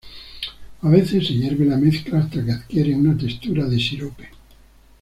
A veces se hierve la mezcla hasta que adquiere una textura de sirope.